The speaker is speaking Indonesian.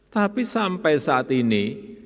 tapi sampai saat ini